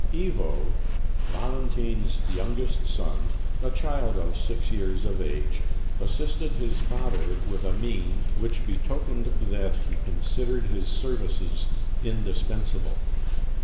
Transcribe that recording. Ivo, Valentine's youngest son, a child of six years of age, assisted his father with a mien which betokened that he considered his services indispensable.